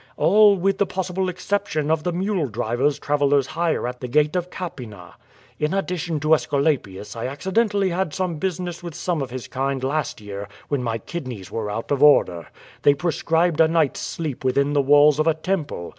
AU^ with the possible exception of the mule drivers travellers hire at the gate of Capena. In addition to Aesculapius I accidentally had some business with some of his kind last year when my kidneys were out of or der. They prescribed a night's sleep within the walls of a temple.